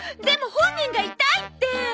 でも本人が痛いって。